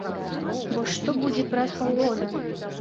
Бо што будзе праз паўгода?